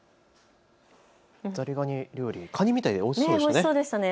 ザリガニ料理は、カニみたいでおいしそうでしたね。